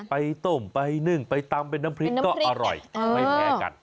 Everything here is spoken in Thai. ไปต้มไปนึ่งไปตำเป็นน้ำพริกก็อร่อยไม่แพ้กัน